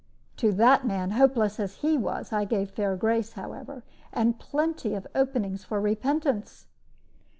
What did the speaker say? "To that man, hopeless as he was, I gave fair grace, however, and plenty of openings for repentance.